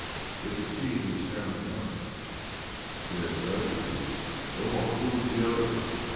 It was he who was counting the money." "Yes, that agrees. Go on. Who was the other?"